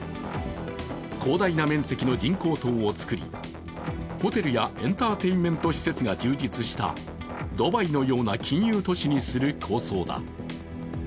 広大な面積の人工島をつくりホテルやエンターテインメント施設が充実したドバイのような金融都市にする構想だ。